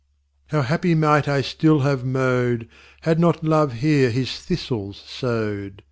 IX How happy might I still have mow'd, Had not Love here his Thistles sow'd!